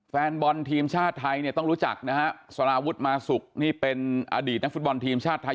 แฟนบอลทีมชาติไทยเนี่ยต้องรู้จักนะฮะสารวุฒิมาสุกนี่เป็นอดีตนักฟุตบอลทีมชาติไทย